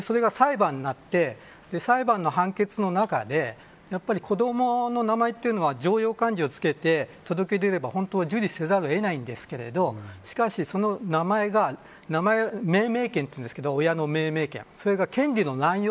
それが、裁判になって裁判の判決の中でやっぱり子どもの名前というのは常用漢字をつけて届け出れば、本当は受理せざるを得ないんですけれどしかし、その名前が命名権というんですが親の命名権